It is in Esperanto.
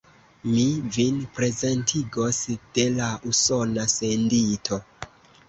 Mi vin prezentigos de la Usona sendito.